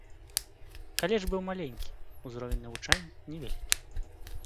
Каледж быў маленькі, узровень навучання невялікі.